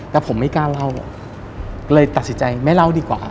แต่ผมไม่กล้าเล่าเลยตัดสินใจไม่เล่าดีกว่า